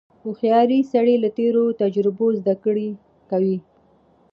• هوښیار سړی له تېرو تجربو زدهکړه کوي.